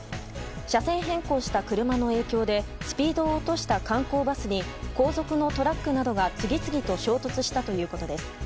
車線変更した車の影響でスピードを落とした観光バスに後続のトラックなどが次々と衝突したということです。